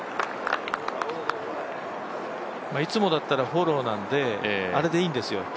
いつもだったらフォローなのであれでいいんですよ。